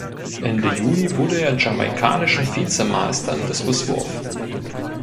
Ende Juli wurde er Jamaikanischer Vizemeister im Diskuswurf.